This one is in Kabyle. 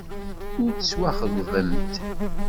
Ur tettwaxeyybemt.